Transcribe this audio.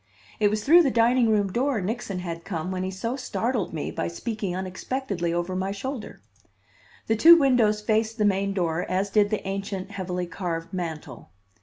It was through the dining room door Nixon had come when he so startled me by speaking unexpectedly over my shoulder! The two windows faced the main door, as did the ancient, heavily carved mantel.